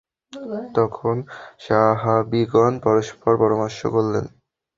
তখন সাহাবীগণ পরস্পর পরামর্শ করলেন।